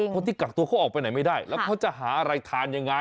คนที่กักตัวเขาออกไปไหนไม่ได้แล้วเขาจะหาอะไรทานยังไง